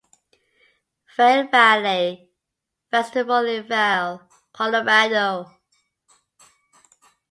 Vail Valley Festival in Vail, Colorado.